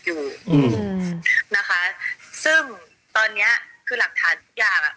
อยู่อืมนะคะซึ่งตอนเนี้ยคือหลักฐานทุกอย่างอ่ะ